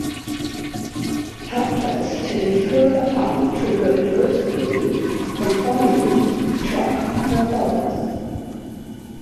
Helpless to do further harm to her adversary, "Confiance" struck her colors.